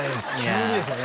急にですよね